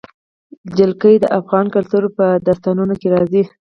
جلګه د افغان کلتور په داستانونو کې راځي.